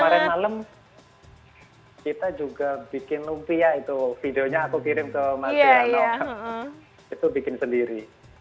kemarin malam kita juga bikin lumpia itu videonya aku kirim ke mas yano itu bikin sendiri